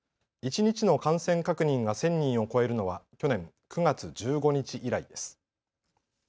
一日の感染確認が１０００人を超えるのは去年９月１５日以来です。